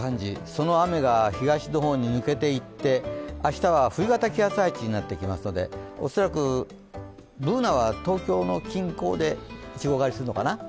その雨が東の方に抜けていって明日は冬型気圧配置になってきますので、恐らくＢｏｏｎａは東京の近郊でいちご狩りするのかな、